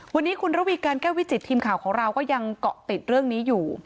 วันนี้คุณระวีการแก้ววิจิตทีมข่าวของเราก็ยังเกาะติดเรื่องนี้อยู่